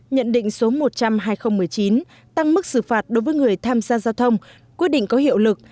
nhận định số một trăm linh hai nghìn một mươi chín tăng mức xử phạt đối với người tham gia giao thông quyết định có hiệu lực